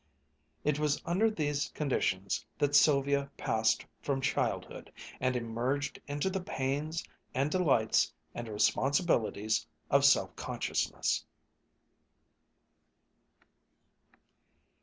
It was under these conditions that Sylvia passed from childhood, and emerged into the pains and delights and responsibilities of self consciousness.